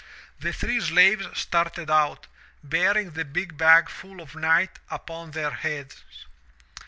The three slaves started out, bearing the big bag full of night upon their heads.